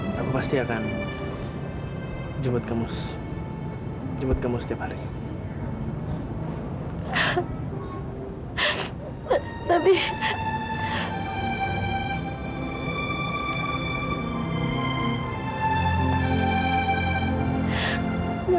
sampai jumpa di video selanjutnya